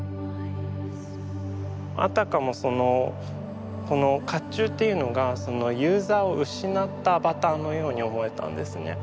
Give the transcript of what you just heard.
あたかもそのこの甲冑っていうのがユーザーを失ったアバターのように思えたんですね。